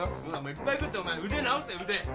いっぱい食ってお前腕治せ腕。